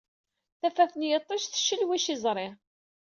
Tafat n yiṭij teccelwic iẓri.